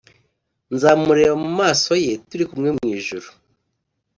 nzamureba mu maso ye, turi kumwe mw ijuru;